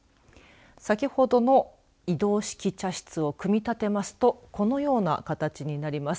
先ほどの移動式茶室を組み立てますとこのような形になります。